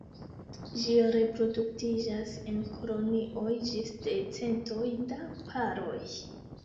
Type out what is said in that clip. Ĝi reproduktiĝas en kolonioj ĝis de centoj da paroj.